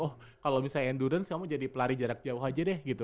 oh kalau misalnya endurance kamu jadi pelari jarak jauh aja deh gitu